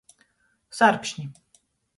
Sarkšni.